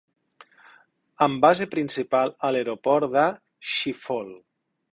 Amb base principal a l'aeroport de Schiphol.